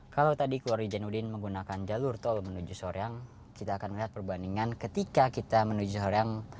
kalau tadi keluarga janudin menggunakan jalur tol menuju soreang kita akan melihat perbandingan ketika kita menuju soreang